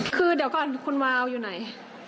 คือเดี๋ยวก่อนคุณวาวอยู่ไหน